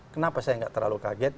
kenapa saya nggak terlalu kaget